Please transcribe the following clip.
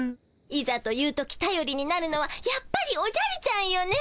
いざという時たよりになるのはやっぱりおじゃるちゃんよね。